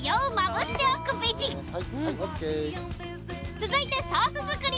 続いてソース作り。